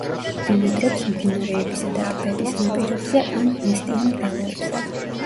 ბინადრობს მდინარეებისა და ტბების ნაპირებზე ან ნესტიან მდელოებზე.